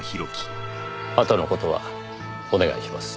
あとの事はお願いします。